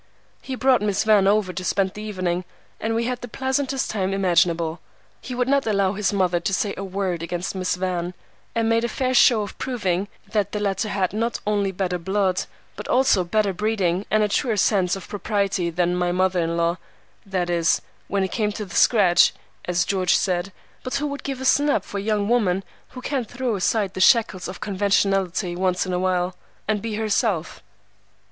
He brought Miss Van over to spend the evening, and we had the pleasantest time imaginable. He would not allow his mother to say a word against Miss Van, and made a fair show of proving that the latter had, not only better blood, but also better breeding and a truer sense of propriety than my mother in law, that is, "when it came to the scratch," as George said. "But who would give a snap for a young woman who can't throw aside the shackles of conventionality once in a while, and be herself?"